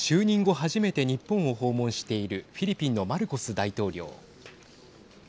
初めて日本を訪問しているフィリピンのマルコス大統領。